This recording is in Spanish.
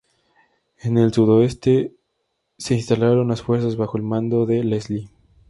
En el sudeste se instalaron las fuerzas bajo el mando de Leslie.